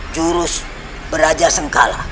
jurus belajar sengkala